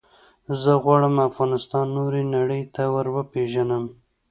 زه غواړم افغانستان نورې نړی ته وروپېژنم.